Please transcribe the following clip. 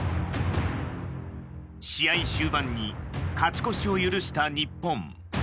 試合終盤に勝ち越しを許した日本。